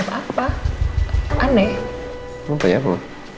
nama anak kedua mama